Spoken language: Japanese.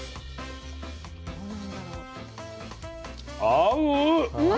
合う！